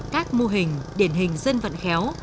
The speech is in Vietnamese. các mô hình điển hình dân vận khéo